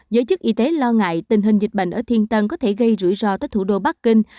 giới chức y tế lo ngại tình hình dịch bệnh ở thiên tân có thể gây rủi ro tới thủ đô bắc kinh